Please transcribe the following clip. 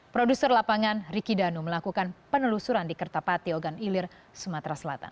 produser lapangan riki danu melakukan penelusuran di kertapati ogan ilir sumatera selatan